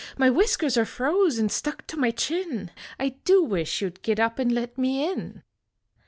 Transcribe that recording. My whiskers are froze nd stuck to my chin. I do wish you d git up and let me in."